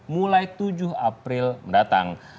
mulai tujuh april mendatang